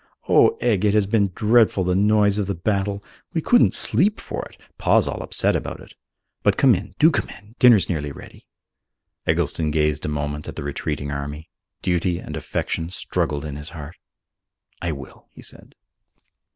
Oh, Egg, it has been dreadful, the noise of the battle! We couldn't sleep for it. Pa's all upset about it. But come in. Do come in. Dinner's nearly ready." Eggleston gazed a moment at the retreating army. Duty and affection struggled in his heart. "I will," he said.